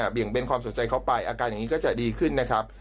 เบี่ยเบนความสนใจเข้าไปอาการอย่างนี้ก็จะดีขึ้นนะครับ